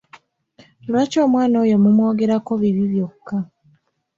Lwaki omwana oyo mumwogerako bibi byokka?